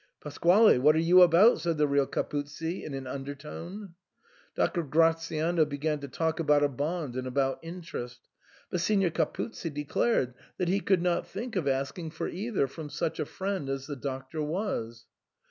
"Pasquale, what are you about?" said the real Capuzzi in an undertone. Dr. Gratiano began to talk about a bond and about interest ; but Signor Capuzzi declared that he could not think of asking for either from such a friend as the Doctor was.